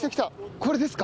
これですか？